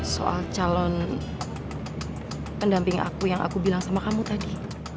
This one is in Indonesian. soal calon pendamping aku yang aku bilang sama kamu tadi